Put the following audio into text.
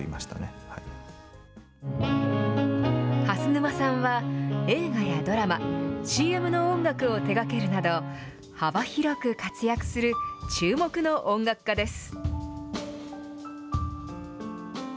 蓮沼さんは映画やドラマ、ＣＭの音楽を手がけるなど、幅広く活躍する、注目の音楽家です。